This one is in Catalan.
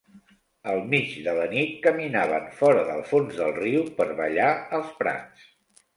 Al mig de la nit, caminaven fora del fons del riu per ballar als prats.